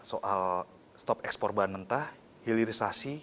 soal stop ekspor bahan mentah hilirisasi